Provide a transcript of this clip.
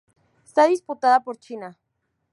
Está disputada por China.